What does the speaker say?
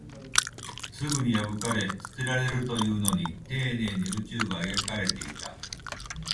すぐに破かれ、捨てられるというのに、丁寧に宇宙が描かれていた